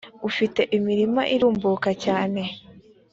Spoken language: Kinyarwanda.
ufite imirima irumbuka cyane .